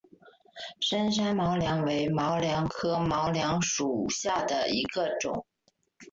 深山毛茛为毛茛科毛茛属下的一个种。